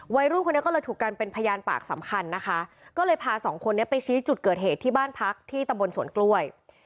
วัยรุ่นคนนี้ก็เลยถูกกันเป็นพยานปากสำคัญนะคะก็เลยพาสองคนนี้ไปชี้จุดเกิดเหตุที่บ้านพักที่ตำบลสวนกล้วย